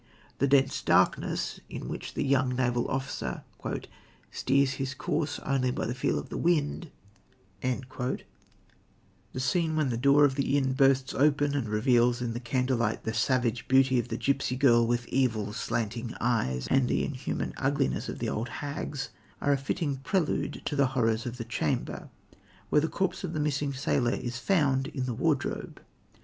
The dense darkness, in which the young naval officer "steers his course only by the feel of the wind," the scene when the door of the inn bursts open and reveals in the candlelight the savage beauty of the gipsy girl with evil, slanting eyes, and the inhuman ugliness of the old hags, are a fitting prelude to the horrors of the chamber, where the corpse of the missing sailor is found in the wardrobe.